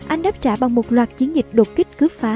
anh đáp trả bằng một loạt chiến dịch đột kích cướp phá